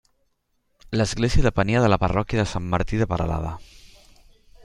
L'església depenia de la parròquia de Sant Martí de Peralada.